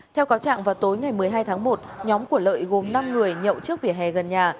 theo cáo trạng vào tối ngày một mươi hai tháng một nhóm của lợi gồm năm người nhậu trước vỉa hè gần nhà